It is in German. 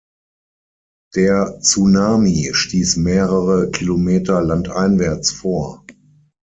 Der Tsunami stieß mehrere Kilometer landeinwärts vor.